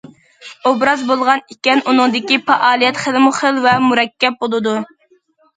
ئوبراز بولغان ئىكەن، ئۇنىڭدىكى پائالىيەت خىلمۇخىل ۋە مۇرەككەپ بولىدۇ.